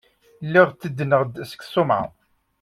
Lliɣ tteddneɣ-d seg tṣumɛa.